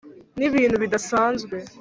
ni ibintu bidasanzwe.